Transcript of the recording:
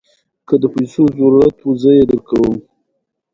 افغانستان کې د سیندونه لپاره دپرمختیا پروګرامونه شته.